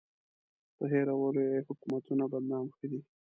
په هېرولو یې حکومتونه بدنام ښه دي.